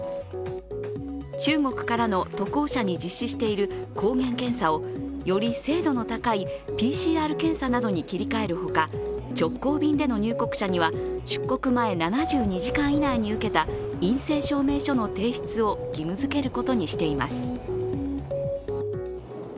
中国からの渡航者に実施している抗原検査をより精度の高いＰＣＲ検査などに切り替えるほか直行便での入国者には出国前７２時間以内に受けた陰性証明書の提出を義務づけることにしています。